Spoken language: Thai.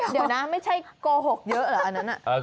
เดี๋ยวนะไม่ใช่โกหกเยอะเหรออันนั้น